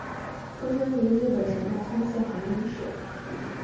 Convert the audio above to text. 出生于日本神奈川县横滨市。